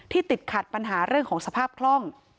ติดขัดปัญหาเรื่องของสภาพคล่อง